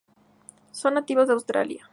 Son nativos de Australia.